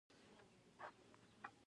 خصوصي مالکیت په هغه وخت کې بې مانا و.